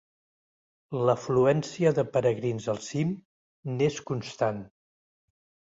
L'afluència de peregrins al cim n'és constant.